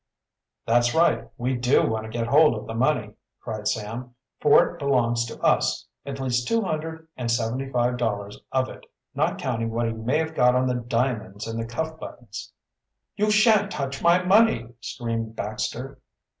"That's right, we do want to get hold of the money!" cried Sam. "For it belongs to us at least two hundred and seventy five dollars of it not counting what he may have got on the diamonds and the cuff buttons." "You shan't touch my money!" screamed Baxter.